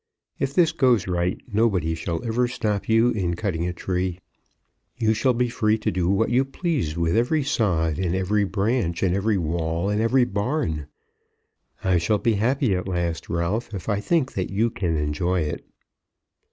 If this goes right, nobody shall ever stop you in cutting a tree. You shall be free to do what you please with every sod, and every branch, and every wall, and every barn. I shall be happy at last, Ralph, if I think that you can enjoy it."